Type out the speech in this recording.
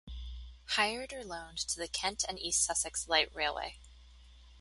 Hired or loaned to the Kent and East Sussex Light Railway.